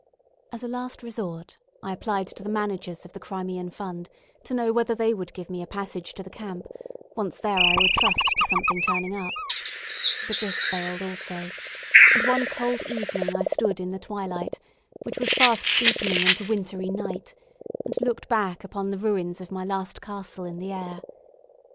As a last resort, I applied to the managers of the Crimean Fund to know whether they would give me a passage to the camp once there I would trust to something turning up. But this failed also, and one cold evening I stood in the twilight, which was fast deepening into wintry night, and looked back upon the ruins of my last castle in the air.